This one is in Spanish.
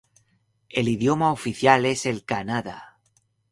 El idioma oficial es el kannada.